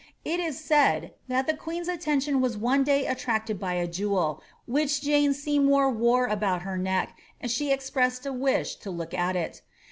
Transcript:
It is said, that the queen's attention was one day ittiacted by a jewel, which Jane Seymour wore about her neck, and she expressed a wish to look at it.